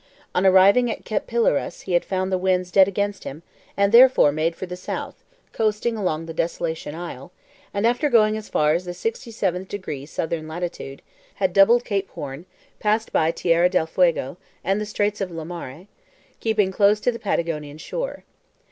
On arriving at Cape Pilares he had found the winds dead against him, and therefore made for the south, coasting along the Desolation Isle, and after going as far as the sixty seventh degree southern latitude, had doubled Cape Horn, passed by Terra del Fuego and the Straits of Lemaire, keeping close to the Patagonian shore.